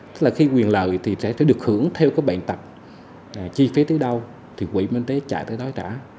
tức là khi quyền lợi thì sẽ được hưởng theo các bệnh tập chi phí tới đâu thì quỹ y tế trả tới đói trả